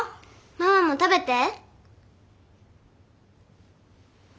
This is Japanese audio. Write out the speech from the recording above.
ママも食べて。